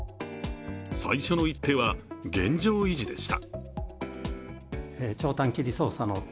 最初の一手は現状維持でした。